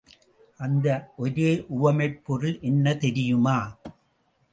அந்த ஒரே உவமைப் பொருள் என்ன தெரியுமா?